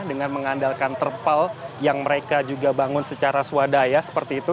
dengan mengandalkan terpal yang mereka juga bangun secara swadaya seperti itu